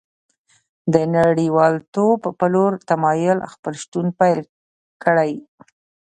د نړیوالتوب په لور تمایل خپل شتون پیل کړی